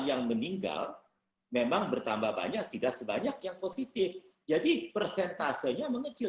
yang meninggal memang bertambah banyak tidak sebanyak yang positif jadi persentasenya mengecil